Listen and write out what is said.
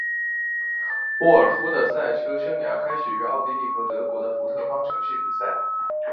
沃尔夫的赛车生涯开始于奥地利和德国的福特方程式比赛。